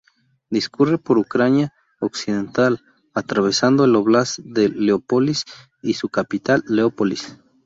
Discurre por Ucrania occidental, atravesando el óblast de Leópolis y su capital, Leópolis.